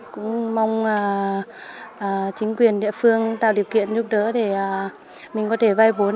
cũng mong chính quyền địa phương tạo điều kiện giúp đỡ để mình có thể vay vốn